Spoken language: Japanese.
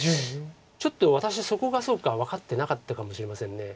ちょっと私そこがそうか分かってなかったかもしれません。